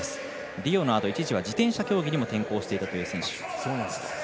リオのあと一時は自転車競技にも転向していた選手。